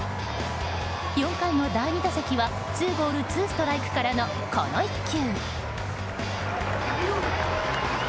４回の第２打席はツーボールツーストライクからのこの１球。